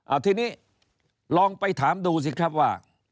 เอาทีนี้ลองไปถามดูสิครับว่า